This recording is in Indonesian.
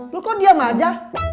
lu kok diam aja